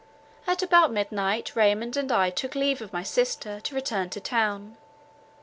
At about midnight Raymond and I took leave of my sister, to return to town.